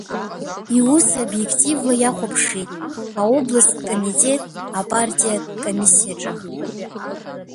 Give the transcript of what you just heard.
Иус обиективла иахәаԥшит аобласттә комитет апартиатә комиссиаҿы.